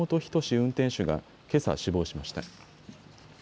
運転手がけさ死亡しました。